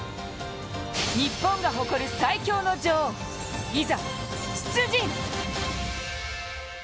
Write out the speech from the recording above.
日本が誇る最強の女王、いざ、出陣！